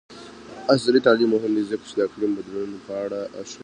عصري تعلیم مهم دی ځکه چې د اقلیم بدلون په اړه ښيي.